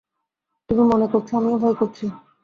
তুমি মনে করছ আমিও ভয় করছি।